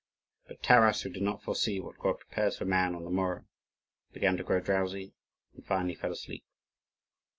But Taras, who did not foresee what God prepares for man on the morrow, began to grow drowsy, and finally fell asleep.